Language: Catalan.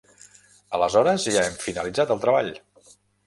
Aleshores ja hem finalitzat el treball?